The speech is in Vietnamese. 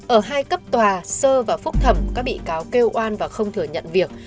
ở hai cấp tòa sơ và phúc thẩm các bị cáo kêu oan và không thừa nhận việc